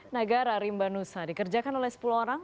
negara rimba nusa dikerjakan oleh sepuluh orang